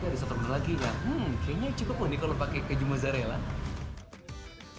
tapi ada satu menu lagi kan hmm kayaknya cukup unik kalau pakai keju mozzarella